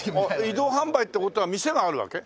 移動販売って事は店があるわけ？